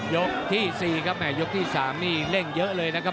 ยกที่๔ครับแห่ยกที่๓นี่เร่งเยอะเลยนะครับ